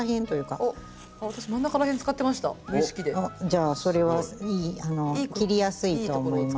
じゃあそれはいい切りやすいと思います。